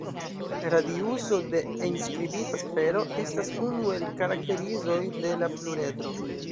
Radiuso de enskribita sfero estas unu el karakterizoj de la pluredro.